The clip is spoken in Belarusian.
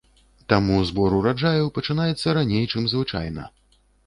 Таму збор ураджаю пачынаецца раней, чым звычайна.